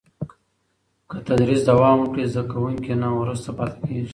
که تدریس دوام وکړي، زده کوونکی نه وروسته پاته کېږي.